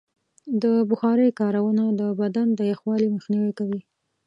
د بخارۍ کارونه د بدن د یخوالي مخنیوی کوي.